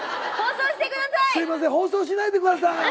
すいません放送しないでください。